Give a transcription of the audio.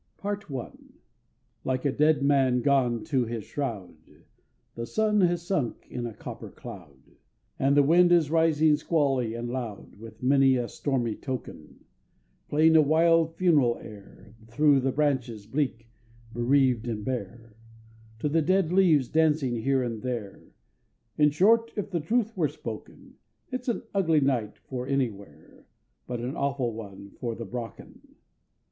] PART I Like a dead man gone to his shroud, The sun has sunk in a copper cloud, And the wind is rising squally and loud With many a stormy token, Playing a wild funereal air Through the branches bleak, bereaved, and bare, To the dead leaves dancing here and there In short, if the truth were spoken, It's an ugly night for anywhere, But an awful one for the Brocken!